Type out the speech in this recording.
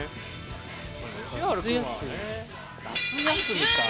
終了！